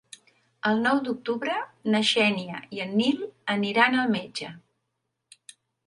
El nou d'octubre na Xènia i en Nil aniran al metge.